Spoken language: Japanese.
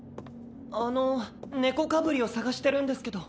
あの猫かぶりを捜してるんですけど。